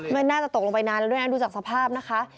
มันน่าจะตกลงไปนานแล้วด้วยนะดูจากสภาพนะคะ